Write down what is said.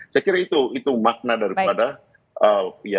saya kira itu makna daripada